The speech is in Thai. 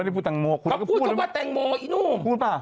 พูดป่ะ